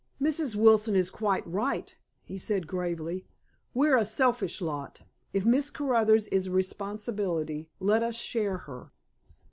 "Mrs. Wilson is quite right," he said gravely. "We're a selfish lot. If Miss Caruthers is a responsibility, let us share her."